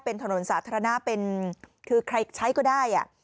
เป็นถนนสาธารณะเป็นคือใครใช้ก็ได้